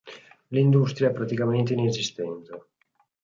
L'industria è praticamente inesistente.